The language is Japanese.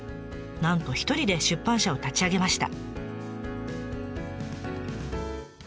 なんと一人で出版社を立ち上げました。